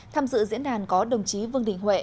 tham dự diễn đàn có đồng chí vương đình huệ